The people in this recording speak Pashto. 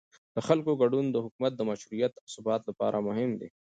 د خلکو ګډون د حکومت د مشروعیت او ثبات لپاره مهم دی